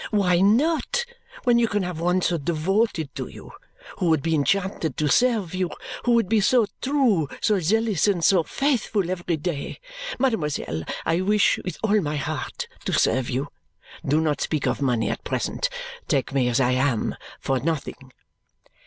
Why not, when you can have one so devoted to you! Who would be enchanted to serve you; who would be so true, so zealous, and so faithful every day! Mademoiselle, I wish with all my heart to serve you. Do not speak of money at present. Take me as I am. For nothing!"